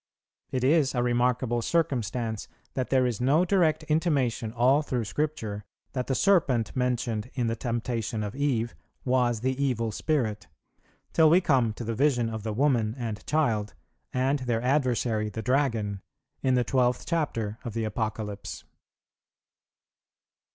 It is a remarkable circumstance that there is no direct intimation all through Scripture that the Serpent mentioned in the temptation of Eve was the evil spirit, till we come to the vision of the Woman and Child, and their adversary, the Dragon, in the twelfth chapter of the Apocalypse.